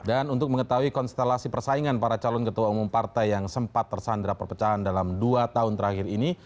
dan untuk mengetahui konstelasi persaingan para calon ketua umum partai yang sempat tersandara perpecahan dalam dua tahun terakhir ini